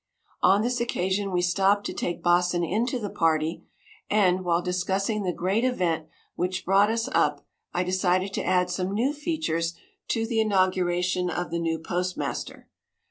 On this occasion we stopped to take Baasen into the party, and while discussing the great event which brought us up, I decided to add some new features to the inauguration of the new postmaster.